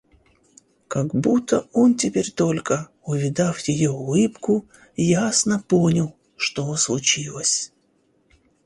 Как будто он теперь только, увидав ее улыбку, ясно понял, что случилось.